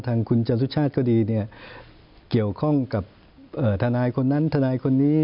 ทางคุณจรุชาติก็ดีเนี่ยเกี่ยวข้องกับทนายคนนั้นทนายคนนี้